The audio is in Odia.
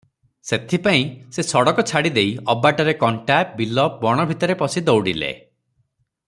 ସେଥିପାଇଁ ସେ ସଡ଼କ ଛାଡ଼ି ଦେଇ ଅବାଟରେ କଣ୍ଟା, ବିଲ, ବଣ ଭିତରେ ପଶି ଦଉଡ଼ିଲେ ।